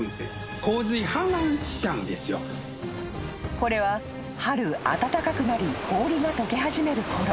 ［これは春暖かくなり氷が解け始めるころ